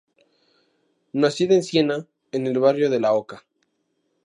Nacida en Siena, en el barrio de la Oca.